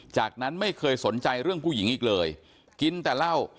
จากนั้นไม่เคยสนใจเรื่องผู้หญิงอีกเลยกินแต่เหล้า